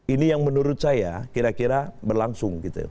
ini yang menurut saya kira kira berlangsung gitu